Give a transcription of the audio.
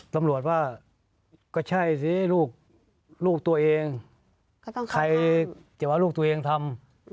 ตำรวจว่าก็ใช่สิลูกตัวเองใครจะว่าลูกตัวเองทำ